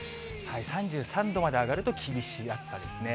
３３度まで上がると厳しい暑さですね。